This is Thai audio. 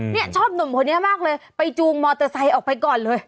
นี่ชอบหนุ่มคนนี้มากเลยไปจูงมอเตอร์ไซค์ออกไปก่อนเลย